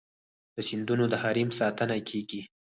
د سیندونو د حریم ساتنه کیږي؟